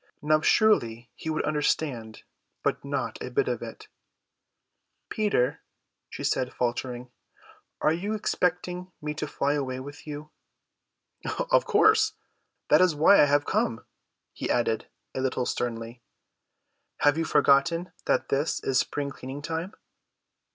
Now surely he would understand; but not a bit of it. "Peter," she said, faltering, "are you expecting me to fly away with you?" "Of course; that is why I have come." He added a little sternly, "Have you forgotten that this is spring cleaning time?"